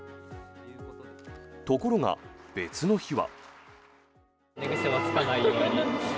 ところが、別の日は。